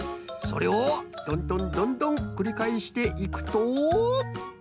それをどんどんどんどんくりかえしていくと。